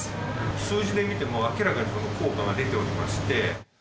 数字で見ても明らかに効果が出ておりまして。